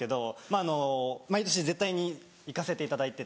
まぁあの毎年絶対に行かせていただいてて。